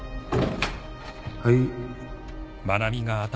はい？